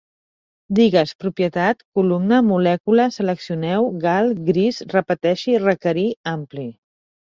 Digues: propietat, columna, molècula, seleccioneu, gal, gris, repeteixi, requerir, ampli